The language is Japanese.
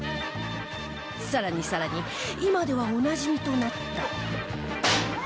更に更に今ではおなじみとなった